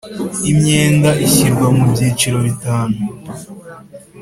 Imyenda ishyirwa mu byiciro bitanu